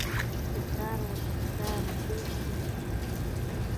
تکرار ورته ښکاري پوه شوې!.